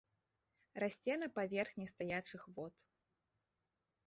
Расце на паверхні стаячых вод.